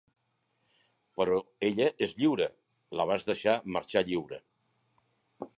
Però ella és lliure. La vas deixar marxar lliure.